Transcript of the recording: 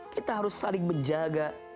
kita harus saling menjaga